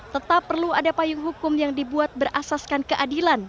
tetap perlu ada payung hukum yang dibuat berasaskan keadilan